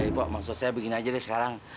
eh pak maksudnya begini aja deh sekarang